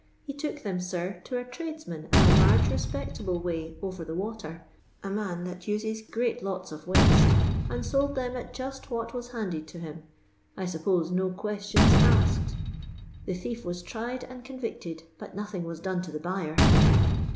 He took them, nr, to a tradeiman in a laige reipect able way OTer the water— « man that oiei great loto of waite—and lold them at juit what was luded to him : I tnppote no qoettiona aaked. The thief waa tried and convicted, bnt nothing wai done to the buyer."